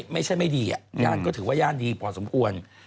ไม่ใช่ไม่ดีย่านก็ถือว่าย่านดีพอสมควร